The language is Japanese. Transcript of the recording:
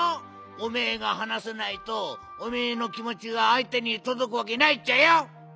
おめえがはなさないとおめえのきもちがあいてにとどくわけないっちゃよ。